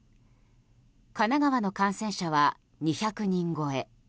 神奈川の感染者は２００人超え。